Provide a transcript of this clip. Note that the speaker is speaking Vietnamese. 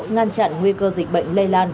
ngan chặn nguy cơ dịch bệnh lây lan